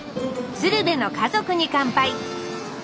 「鶴瓶の家族に乾杯」